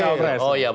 oh ya benar benar